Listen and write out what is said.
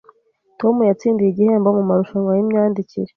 Tom yatsindiye igihembo mumarushanwa yimyandikire